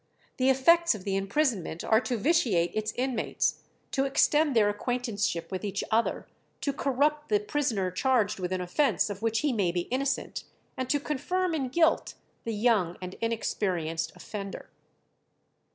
The effects of the imprisonment are to vitiate its inmates, to extend their acquaintanceship with each other, to corrupt the prisoner charged with an offence of which he may be innocent, and to confirm in guilt the young and inexperienced offender."